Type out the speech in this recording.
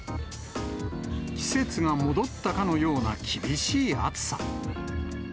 季節が戻ったかのような厳しい暑さ。